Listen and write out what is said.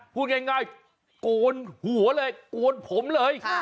พูดง่ายโกนหัวเลยโกนผมเลย